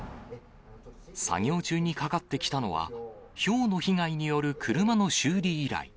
作業中にかかってきたのは、ひょうの被害による車の修理依頼。